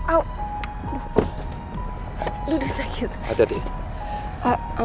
aku denger suara riri